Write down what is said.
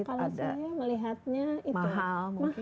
kalau saya melihatnya itu